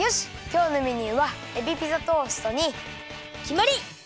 きょうのメニューはえびピザトーストにきまり！